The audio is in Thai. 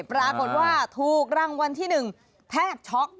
ปรากฏว่าถูกรางวัลที่๑แทบช็อก